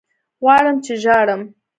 غواړمه چې ژاړم